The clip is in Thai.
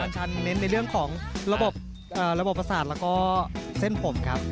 ชันเน้นในเรื่องของระบบระบบประสาทแล้วก็เส้นผมครับ